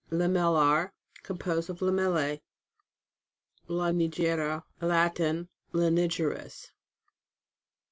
LAMELLAR. Composed of Lamellae. LANIGERA. Latin. Lanigerous.